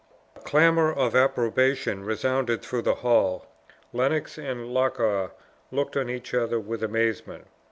A Clamor of approbation resounded through the hall. Lennox and Loch awe looked on each other with amazement.